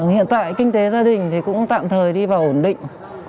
hiện tại kinh tế gia đình thì cũng tạm thời đi vào ổn định